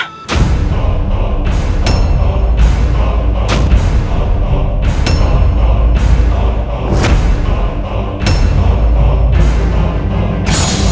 jangan lupa subscribe channel berlangganan